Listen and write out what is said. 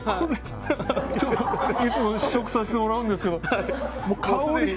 いつも試食させてもらうんですけど香りが。